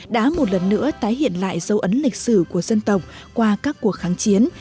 đã một lần nữa tái hiện lại dấu ấn lịch sử của dân tộc qua các cuộc kháng chiến